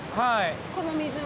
この水は。